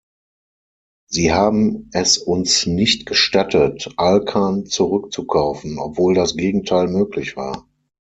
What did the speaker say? Sie haben es uns nicht gestattet, Alcan zurückzukaufen, obwohl das Gegenteil möglich war.